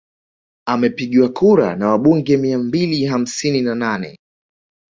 Amepigiwa kura na wabunge mia mbili hamsini na nane